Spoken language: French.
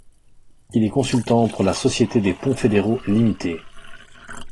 Il est consultant pour La Société des ponts fédéraux Limitée.